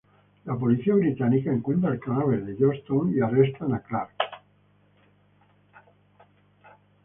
La policía británica encuentra el cadáver de Johnstone y arrestan a Clark.